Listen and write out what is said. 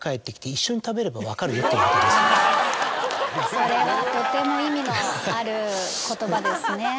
それはとても意味のある言葉ですね。